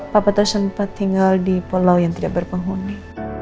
papa tuh sempet tinggal di pulau yang tidak berpenghuni